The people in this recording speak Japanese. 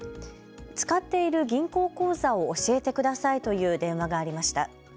使っている銀行口座を教えてくださいという電話がありました。